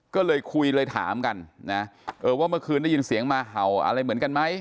ก็เลยคุยเลยถามกันนะเออว่าเมื่อคืนได้ยินเสียงมาเห่าอะไรเหมือนกันไหม